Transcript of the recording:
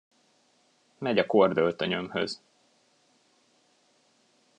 Megy a kordöltönyömhöz.